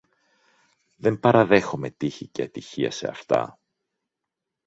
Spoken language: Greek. Δεν παραδέχομαι τύχη και ατυχία σε αυτά